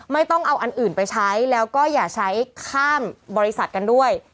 ไม่ต้องเอาอันอื่นไปใช้แล้วก็อย่าใช้ข้ามบริษัทกันด้วย